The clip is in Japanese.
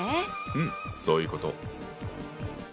うんそういうこと。